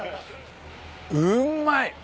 うんまい。